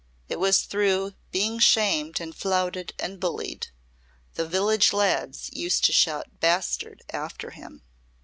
It was through being shamed and flouted and bullied. The village lads used to shout 'Bastard' after him."